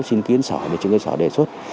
xin kiến sở về trường hợp sở đề xuất